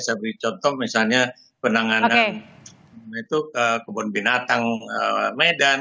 saya beri contoh misalnya penanganan kebun binatang medan